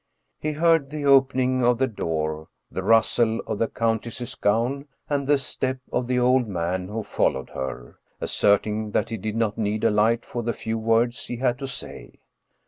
He heard the opening of the door, the rustle of the countess's gown and the step of the old man who Paul Heyse followed her, asserting that he did not need a light for the few words he had to say.